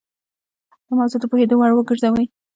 دا موضوع د پوهېدو وړ ګرځوي.